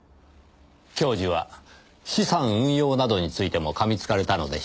教授は資産運用などについても噛みつかれたのでしょうか？